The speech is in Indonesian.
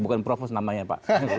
bukan provos namanya pak